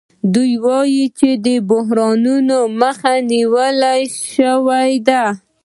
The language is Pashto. دوی وايي چې د بحرانونو مخه نیول شوې ده